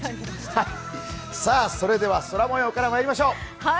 それでは空もようからまいりましょう。